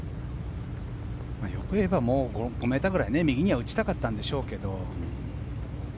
欲を言えば５ｍぐらい右に打ちたかったんでしょうけど。